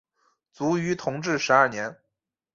卒于同治十二年。